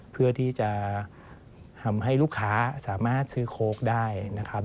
เพื่อที่จะทำให้ลูกค้าสามารถซื้อโค้กได้นะครับ